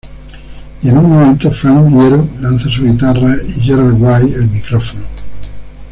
Y en un momento, Frank Iero lanza su guitarra y Gerard Way, el micrófono.